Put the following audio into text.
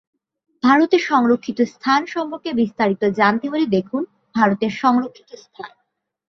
ভারতে সংরক্ষিত স্থান সম্পর্কে বিস্তারিত জানতে হলে দেখুন: ভারতের সংরক্ষিত স্থান।